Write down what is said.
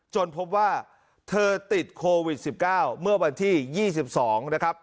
พบว่าเธอติดโควิด๑๙เมื่อวันที่๒๒นะครับ